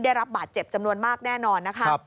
ได้รับบาดเจ็บจำนวนมากแน่นอนนะคะ